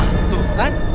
hah tuh kan